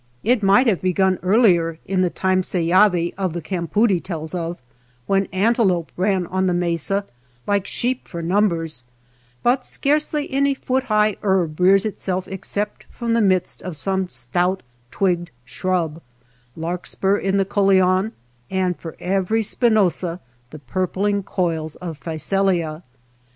It might have begun earlier, in the time Seyavi of the campoodie tells of, when antelope ran on the mesa like sheep for numbers, but scarcely any foot high herb rears itself except from the midst of some stout twigged shrub ; larkspur in the coleogyne, and for every spinosa the pur pling coils of phacelia.